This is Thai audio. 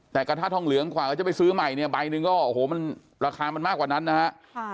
แต่กระทะทองเหลืองกว่าเขาจะไปซื้อใหม่เนี่ยใบหนึ่งก็โอ้โหมันราคามันมากกว่านั้นนะฮะ